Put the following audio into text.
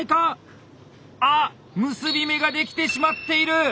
あ結び目ができてしまっている！